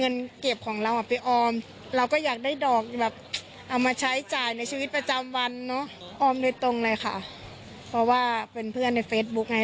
ใช่ค่ะแล้วเราก็เห็นแบบชีวิตเขาดีขึ้นมาเรื่อยเรื่อย